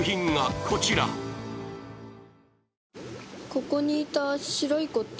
ここにいた白い子って？